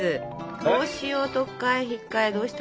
帽子を取っ替え引っ替えどうした？